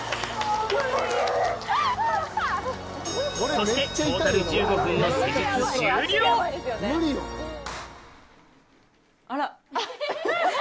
そしてトータル１５分のあら。